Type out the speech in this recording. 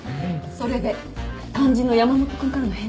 それで肝心の山本君からの返事は？